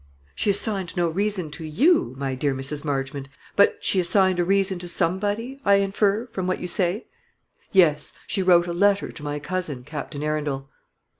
"She assigned no reason to you, my dear Mrs. Marchmont; but she assigned a reason to somebody, I infer, from what you say?" "Yes; she wrote a letter to my cousin, Captain Arundel."